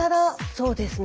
そうですね。